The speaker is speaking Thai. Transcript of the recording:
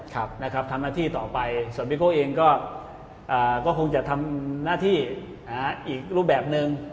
ครับนะครับทำหน้าที่ต่อไปส่วนพี่โก้เองก็อ่าก็คงจะทำหน้าที่อีกรูปแบบหนึ่ง